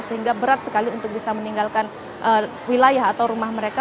sehingga berat sekali untuk bisa meninggalkan wilayah atau rumah mereka